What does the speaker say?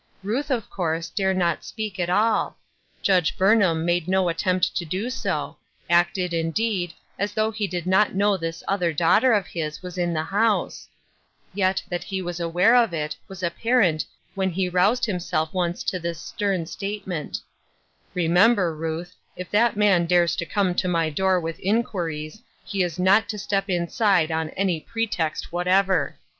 Ruth, of course, dare not speak at all. Judge Burnham made no attempt to do so, acted, indeed, as though he did not know this other daughter of his was in the house, yet that he was aware of it, was apparent when he roused himself once to this stern statement :" Remember, Ruth, if that man dares to come to my door with inquiries, he is not to step inside on any pretext whatever.